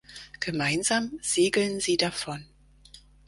Gemeinsam segeln sie davon.